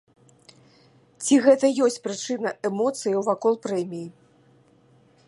Ці гэта ёсць прычына эмоцыяў вакол прэміі?